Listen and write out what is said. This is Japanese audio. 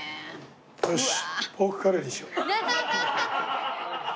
よし。